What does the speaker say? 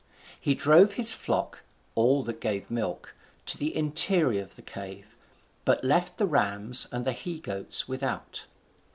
He drove his flock, all that gave milk, to the interior of the cave, but left the rams and the he goats without.